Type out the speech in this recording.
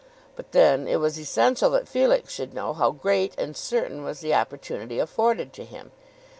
But then it was essential that Felix should know how great and certain was the opportunity afforded to him.